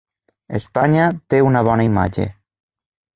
Espanya té una bona imatge